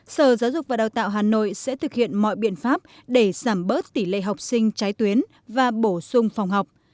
sở giáo dục và đào tạo hà nội sẽ thực hiện mọi biện pháp để giảm bớt tỷ lệ học sinh trái tuyến và bổ sung phòng học